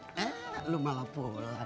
eh lu malapulah